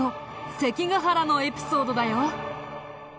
関ヶ原のエピソードだよ。